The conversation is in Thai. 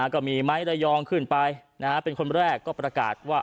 ก็มีไม้ระยองขึ้นไปเป็นคนแรกก็ประกาศว่า